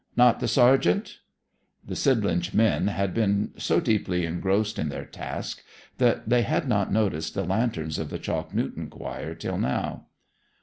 'Not the sergeant?' The Sidlinch men had been so deeply engrossed in their task that they had not noticed the lanterns of the Chalk Newton choir till now.